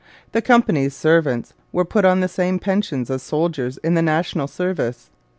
The Company's servants were put on the same pensions as soldiers in the national service.